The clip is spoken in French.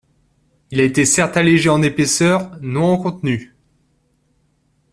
Il a été certes allégé en épaisseur, non en contenu.